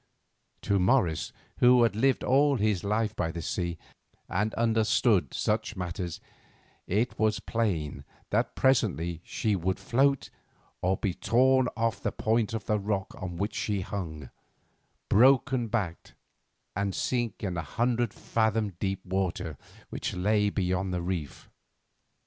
To Morris, who had lived all his life by the sea, and understood such matters, it was plain that presently she would float, or be torn off the point of the rock on which she hung, broken backed, and sink in the hundred fathom deep water which lay beyond the reef.